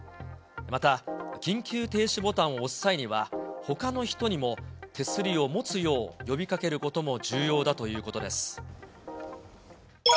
また、緊急停止ボタンを押す際には、ほかの人にも手すりを持つよう呼びかけることも重要だということです。